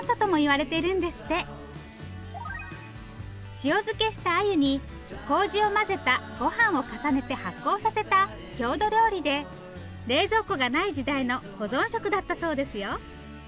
塩漬けしたアユに麹を混ぜたごはんを重ねて発酵させた郷土料理で冷蔵庫がない時代の保存食だったそうですよ。